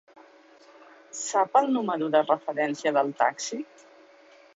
Sap el número de referència del taxi?